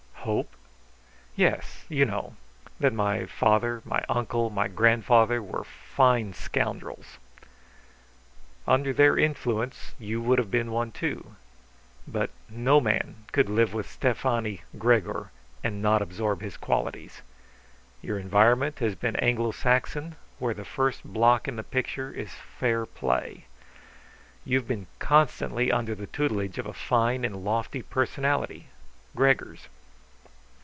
"Hope?" "Yes. You know that my father, my uncle, and my grandfather were fine scoundrels." "Under their influence you would have been one, too. But no man could live with Stefani Gregor and not absorb his qualities. Your environment has been Anglo Saxon, where the first block in the picture is fair play. You have been constantly under the tutelage of a fine and lofty personality, Gregor's.